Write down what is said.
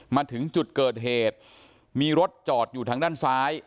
มาถึงจุดเกิดเหตุมีรถจอดอยู่ทางด้านซ้าย